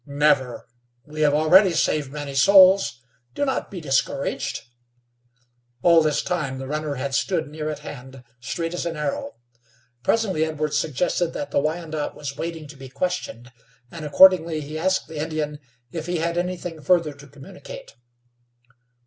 "Never. We have already saved many souls. Do not be discouraged." All this time the runner had stood near at hand straight as an arrow. Presently Edwards suggested that the Wyandot was waiting to be questioned, and accordingly he asked the Indian if he had anything further to communicate.